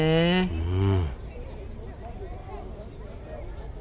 うん。